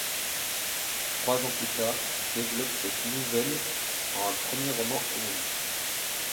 Trois ans plus tard, il développe cette nouvelle en un premier roman homonyme.